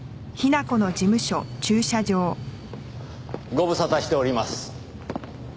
ご無沙汰しております。